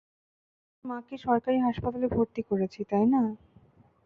আমরা তার মাকে সরকারি হাসপাতালে ভর্তি করেছি, তাই না?